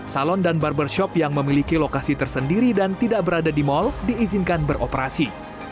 salon dan barbershop yang memiliki lokasi tersendiri dan tidak berada di mal diizinkan beroperasi